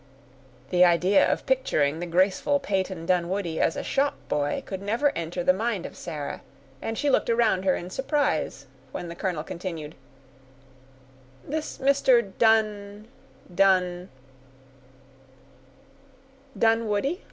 The idea of picturing the graceful Peyton Dunwoodie as a shop boy could never enter the mind of Sarah, and she looked around her in surprise, when the colonel continued,— "This Mr. Dun—Dun—" "Dunwoodie!